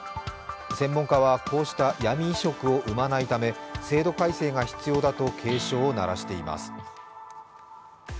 専門家はこうした闇移植を生まないため制度改正が必要だと警鐘を鳴らしています。